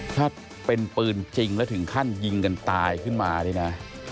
ถ้าเป็นปืนจริงและถึงขั้นยิงแล้วกันตายขึ้นมาดีนะ